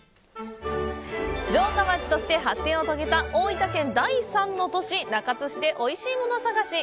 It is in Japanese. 城下町として発展を遂げた大分県第３の都市・中津市でおいしいもの探し！